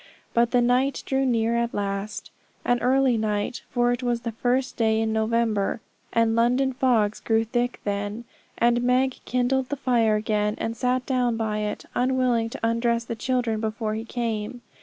But the night drew near at last, an early night, for it was the first day in November, and London fogs grow thick then; and Meg kindled the fire again, and sat down by it, unwilling to undress the children before he came.